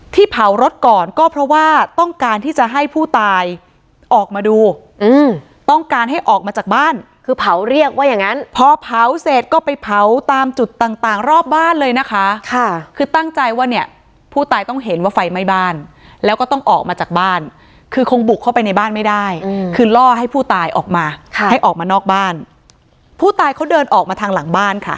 เผารถก่อนก็เพราะว่าต้องการที่จะให้ผู้ตายออกมาดูต้องการให้ออกมาจากบ้านคือเผาเรียกว่าอย่างงั้นพอเผาเสร็จก็ไปเผาตามจุดต่างต่างรอบบ้านเลยนะคะค่ะคือตั้งใจว่าเนี่ยผู้ตายต้องเห็นว่าไฟไหม้บ้านแล้วก็ต้องออกมาจากบ้านคือคงบุกเข้าไปในบ้านไม่ได้คือล่อให้ผู้ตายออกมาค่ะให้ออกมานอกบ้านผู้ตายเขาเดินออกมาทางหลังบ้านค่ะ